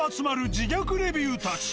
自虐レビューたち。